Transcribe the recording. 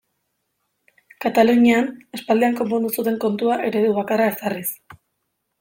Katalunian aspaldian konpondu zuten kontua eredu bakarra ezarriz.